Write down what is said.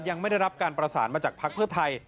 ยังไม่ได้รับการประสานมาจากภักดิ์เพื่อไทย